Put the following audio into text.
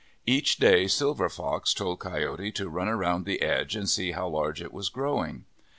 Each day Silver Fox told Coyote to run around the edge and see how large it was growing.